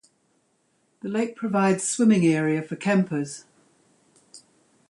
The lake provides swimming area for campers.